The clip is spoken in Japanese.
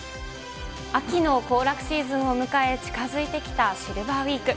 秋の行楽シーズンを迎え、近づいてきたシルバーウィーク。